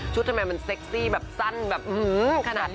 ชุดทำไมมันเซ็กซี่แบบสั้นแบบอื้อขนาดนั้น